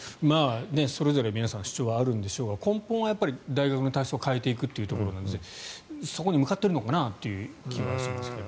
それぞれ皆さん主張はあるんでしょうが根本は大学の体制を変えていくということなのでそこに向かっているのかなという気もしますが。